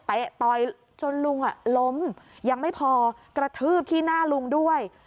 ต่อยจนลุงล้มยังไม่พอกระทืบที่หน้าลุงด้วย